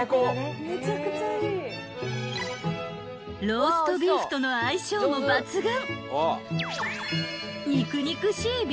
［ローストビーフとの相性も抜群］